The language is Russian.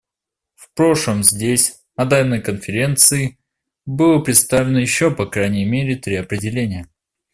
В прошлом здесь, на данной Конференции, было представлено еще по крайней мере три определения.